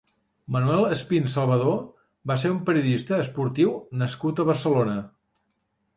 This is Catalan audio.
Manuel Espín Salvador va ser un periodista esportiu nascut a Barcelona.